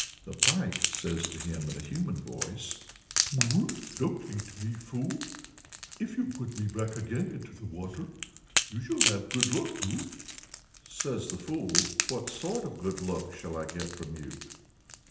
The pike says to him with a human voice: "Don't eat me, fool! if you'll put me back again into the water you shall have good luck!" Says the fool, "What sort of good luck shall I get from you?"